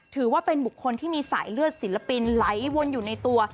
ถือว่าเป็นบุคคลที่มีสายเลือดศิลปินไหลวนอยู่ในตัว